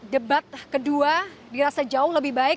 debat kedua dirasa jauh lebih baik